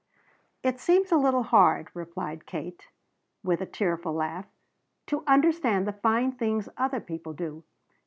"It seems a little hard," replied Katie with a tearful laugh, "to understand the fine things other people do.